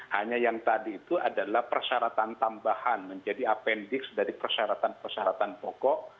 hanya yang tadi itu adalah persyaratan tambahan menjadi apendic dari persyaratan persyaratan pokok